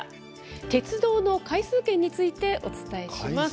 鉄道の回数券についてお伝えします。